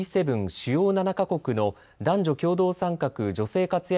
・主要７か国の男女共同参画・女性活躍